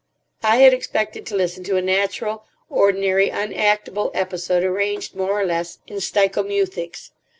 I had expected to listen to a natural, ordinary, unactable episode arranged more or less in steichomuthics.